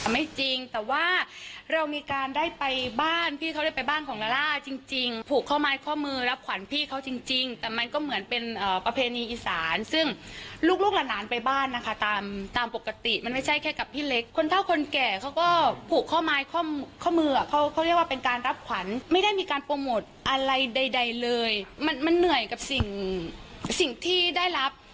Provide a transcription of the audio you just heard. ไม่จริงแต่ว่าเรามีการได้ไปบ้านพี่เขาได้ไปบ้านของลาล่าจริงจริงผูกข้อไม้ข้อมือรับขวัญพี่เขาจริงจริงแต่มันก็เหมือนเป็นประเพณีอีสานซึ่งลูกลูกหลานไปบ้านนะคะตามตามปกติมันไม่ใช่แค่กับพี่เล็กคนเท่าคนแก่เขาก็ผูกข้อไม้ข้อมืออ่ะเขาเขาเรียกว่าเป็นการรับขวัญไม่ได้มีการโปรโมทอะไรใดเลยมันมันเหนื่อยกับสิ่งที่ได้รับ